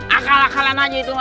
akal akalan aja itu